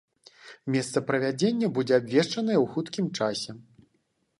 Месца правядзення будзе абвешчанае ў хуткім часе.